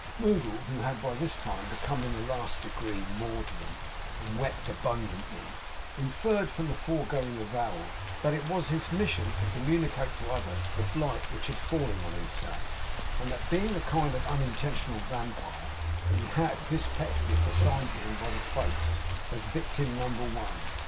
Moddle, who had by this time become in the last degree maudlin, and wept abundantly, inferred from the foregoing avowal, that it was his mission to communicate to others the blight which had fallen on himself; and that, being a kind of unintentional Vampire, he had had Miss Pecksniff assigned to him by the Fates, as Victim Number One.